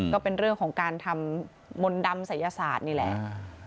ก็เป็นเรื่องของการทำมนต์ดำศัยศาสตร์นี่แหละ